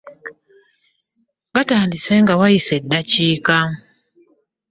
Gatandise nga wayise eddakiika.